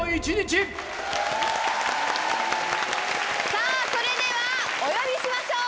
さぁそれではお呼びしましょう！